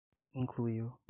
incluiu